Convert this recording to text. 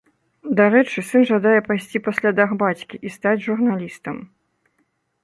Дарэчы, сын жадае пайсці па слядах бацькі і стаць журналістам.